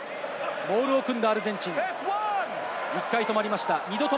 モールを組んだアルゼンチン、１回止まりました。